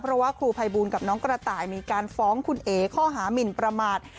เพราะว่าครูภัยบูลกับน้องกระต่ายมีการฟ้องคุณเอ๋ข้อหามินประมาท